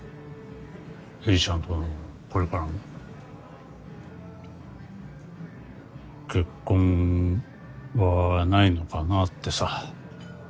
絵里ちゃんとはこれからも結婚はないのかなってさ。